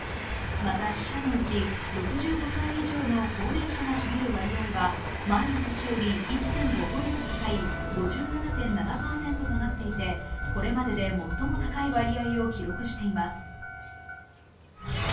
また、死者のうち６５歳以上の高齢者が占める割合は前の年より１．５ポイント高い５７．７％となっていてこれまでで最も高い割合を記録しています。